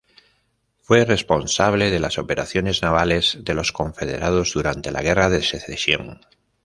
Fue responsable de las operaciones navales de los confederados durante la Guerra de Secesión.